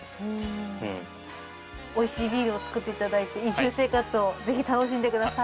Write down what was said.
おいしいビールを造っていただいて移住生活をぜひ楽しんでください。